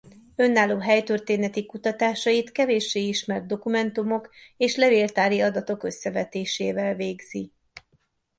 Önálló helytörténeti kutatásait kevéssé ismert dokumentumok és levéltári adatok összevetésével végzi.